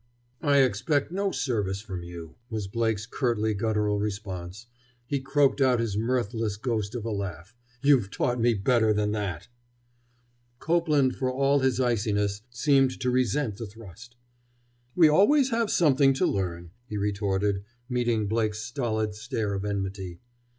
"I expect no service from you," was Blake's curtly guttural response. He croaked out his mirthless ghost of a laugh. "You've taught me better than that!" Copeland, for all his iciness, seemed to resent the thrust. "We have always something to learn," he retorted, meeting Blake's stolid stare of enmity.